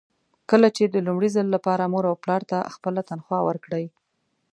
کله چې د لومړي ځل لپاره مور او پلار ته خپله تنخوا ورکړئ.